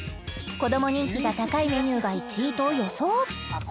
子ども人気が高いメニューが１位と予想